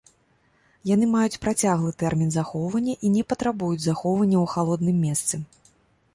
Яны маюць працяглы тэрмін захоўвання і не патрабуюць захоўвання ў халодным месцы.